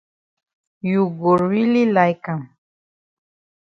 You go really like am